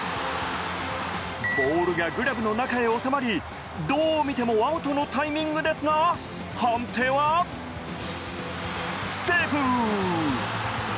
ボールがグラブの中へ収まりどう見てもアウトのタイミングですが判定はセーフ。